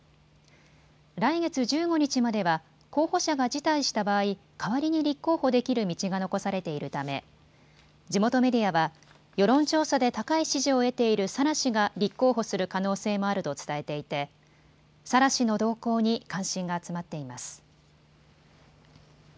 来月１５日までは候補者が辞退した場合、代わりに立候補できる道が残されているため地元メディアは世論調査で高い支持を得ているサラ氏が立候補する可能性もあると伝えていてサラ氏の動向に関心が集まっています。